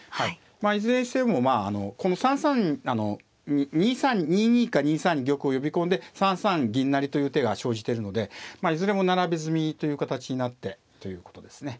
いずれにしてもこの３三あの２二か２三に玉を呼び込んで３三銀成という手が生じてるのでいずれも並べ詰みという形になってということですね。